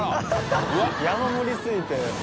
△蕁山盛りすぎて。